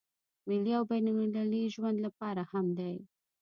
ملي او بين المللي ژوند لپاره هم دی.